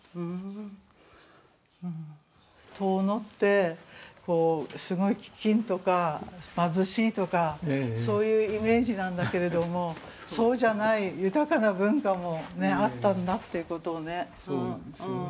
遠野ってすごい飢饉とか貧しいとかそういうイメージなんだけれどもそうじゃない豊かな文化もあったんだっていうことをね。